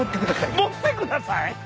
「持ってください」？